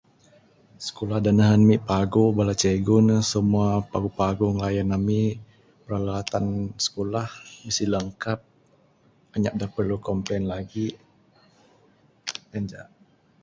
Sikulah da nehen ami paguh bala cikgu ne simua paguh paguh ngilayan ami. Peralatan sikulah bisi lengkap, anyap da perlu complain lagi, en ja.